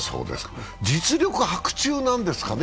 実力伯仲なんですかね。